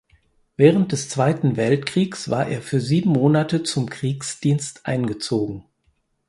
Während des Zweiten Weltkriegs war er für sieben Monate zum Kriegsdienst eingezogen.